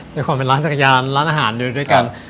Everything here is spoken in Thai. ในความร้านอาหารด้วยด้วยกัน